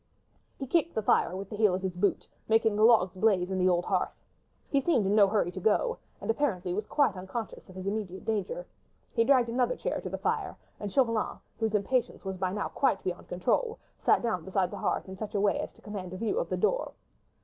He kicked the fire with the heel of his boot, making the logs blaze in the old hearth. He seemed in no hurry to go, and apparently was quite unconscious of his immediate danger. He dragged another chair to the fire, and Chauvelin, whose impatience was by now quite beyond control, sat down beside the hearth, in such a way as to command a view of the door.